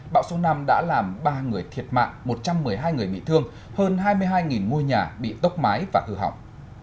bão số năm đã làm ba người thiệt mạng một trăm một mươi hai người bị thương hơn hai mươi hai ngôi nhà bị tốc mái và hư hỏng